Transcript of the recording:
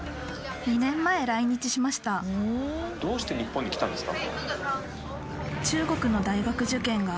どうして日本に来たんですか？